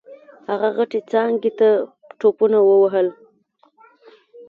هغه غټې څانګې ته ټوپونه ووهل.